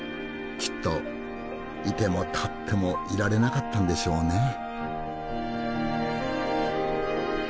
きっと居ても立ってもいられなかったんでしょうね。